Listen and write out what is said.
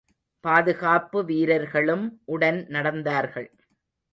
பாதுகாப்பு வீரர்களும் உடன் நடந்தார்கள்.